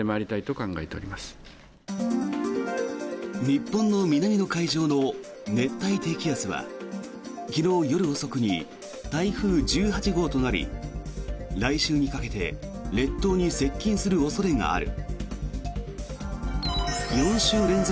日本の南の海上の熱帯低気圧は昨日夜遅くに台風１８号となり来週にかけて列島に接近する恐れがある。